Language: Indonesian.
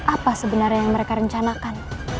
apa sebenarnya yang mereka rencanakan